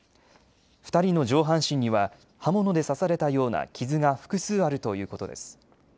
２人の上半身には刃物で刺されたような傷が複数あるということです。